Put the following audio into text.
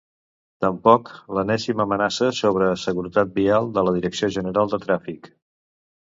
Tampoc l'enèsima amenaça sobre seguretat vial de la Direcció General de Tràfic.